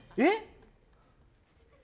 えっ？